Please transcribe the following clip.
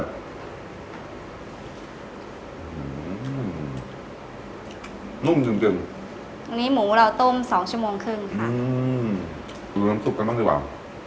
นุ่มจริงจริงอันนี้หมูเราต้มสองชั่วโมงครึ่งค่ะน้ำซุปกันบ้างดีกว่า